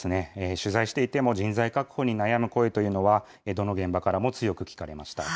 取材していても、人材確保に悩む声というのは、どの現場からも強く聞かれました。